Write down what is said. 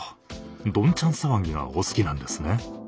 どんちゃん騒ぎがお好きなんですね。